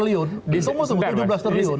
dan di zaman jokowi ini korupsi terbesar